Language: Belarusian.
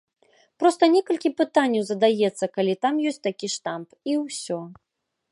Проста некалькі пытанняў задаецца, калі там ёсць такі штамп, і ўсё.